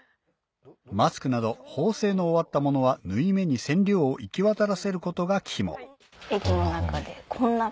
マスクなど縫製の終わったものは縫い目に染料を行き渡らせることが肝液の中でこんな感じです。